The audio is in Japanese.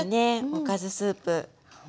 おかずスープ。